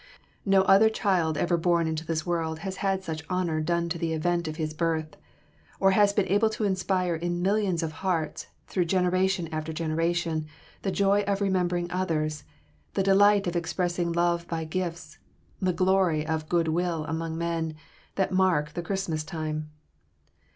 No other child ever born into this world has had such honor done to the event of his birth, or has been able to inspire in millions of hearts through generation after generation the joy of remembering others, the delight of expressing love by gifts, the glory of "goodwill among men," that mark the Christmas time.